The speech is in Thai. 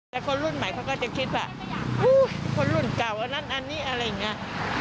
แต่คนรุ่นใหม่เขาก็จะคิดว่าคนรุ่นเก่าอันนั้นอันนี้อะไรอย่างนี้